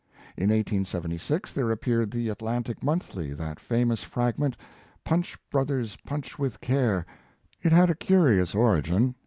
In 1876, there appeared in the Atlantic Monthly, that famous fragment, Punch Brothers, Punch with care." It had a curious origin.